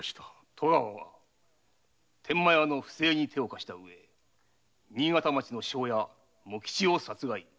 戸川は天満屋の不正に手を貸し新潟町の庄屋茂吉を殺害。